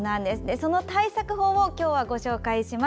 その対策法を今日はご紹介します。